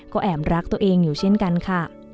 ก็แอบรักตัวเองอยู่เช่นกันค่ะ